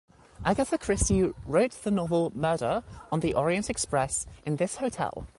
Agatha Christie wrote the novel "Murder on the Orient Express" in this hotel.